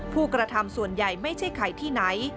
ผู้กระทำส่วนใหญ่ไม่ใช่ใครที่ไหน